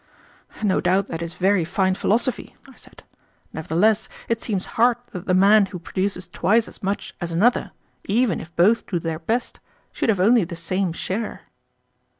"No doubt that is very fine philosophy," I said; "nevertheless it seems hard that the man who produces twice as much as another, even if both do their best, should have only the same share."